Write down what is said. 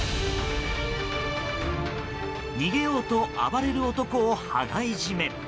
逃げようと暴れる男を羽交い締め。